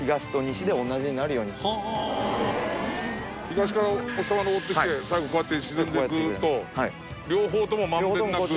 東からお日様昇ってきて最後こうやって沈んでいくと両方とも満遍なく。